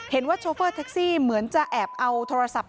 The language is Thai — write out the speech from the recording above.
เห็นว่าช๊อเฟอร์แท็กซี่เหมือนจะแอบเอาโทรศัพท์